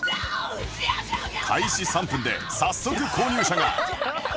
開始３分で早速購入者が